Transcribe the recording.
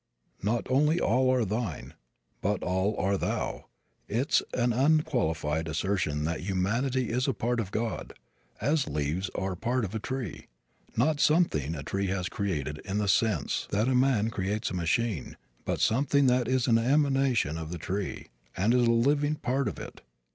"Not only all are Thine, but all are thou." It's an unqualified assertion that humanity is a part of God, as leaves are part of a tree not something a tree has created in the sense that a man creates a machine but something that is an emanation of the tree, and is a living part of it.